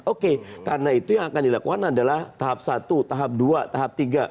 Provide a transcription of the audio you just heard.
oke karena itu yang akan dilakukan adalah tahap satu tahap dua tahap tiga